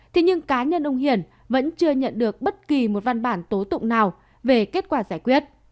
thế nhưng cá nhân ông hiển vẫn chưa nhận được bất kỳ một văn bản tố tụng nào về kết quả giải quyết